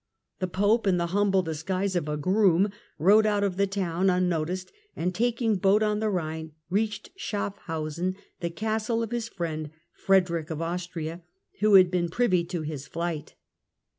The Pope in the humble disguise of a groom, rode out of the town unnoticed, and taking boat on the Rhine reached Schaffhausen, the castle of his friend Frederick of Austria, who had been privy to his flight.